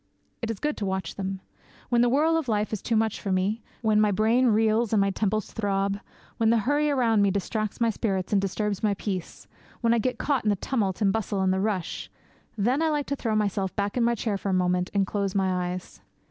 It is good to watch them. When the whirl of life is too much for me; when my brain reels and my temples throb; when the hurry around me distracts my spirit and disturbs my peace; when I get caught in the tumult and the bustle and the rush then I like to throw myself back in my chair for a moment and close my eyes.